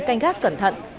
canh gác cẩn thận